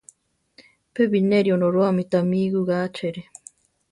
Pe bineri Onorúame tamí iwigá achere.